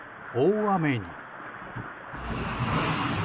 大雨に。